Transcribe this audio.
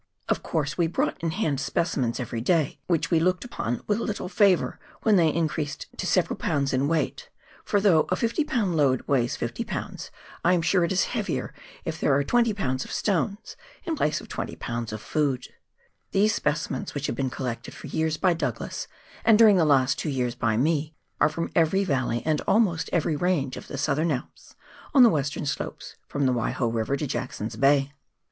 Of course we brought in hand specimens every day, which we looked upon with little favour when they increased to several pounds in 232 PIONEER WORK IN THE ALPS OF NEW ZEALAND. weight ; for though a 50 lb. load weighs 50 lbs., I am sure it is heavier if there are 20 lbs. of stones in place of 20 lbs. of food ! These specimens which have been collected for years by Douglas, and during the hist two years by me, are from every valley, and almost every range of the Southern Alps on the western slopes — from the Waiho River to Jackson's Bay.